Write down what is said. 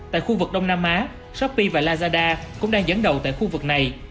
tại khu vực đông nam á shopee và lazada cũng đang dẫn đầu tại khu vực này